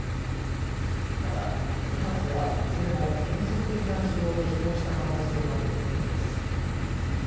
また２発はいずれも変則的な軌道で飛行した可能性があるということです。